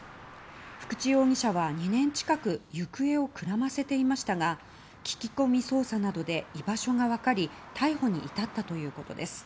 福地容疑者は２年近く行方をくらませていましたが聞き込み捜査などで居場所が分かり逮捕に至ったということです。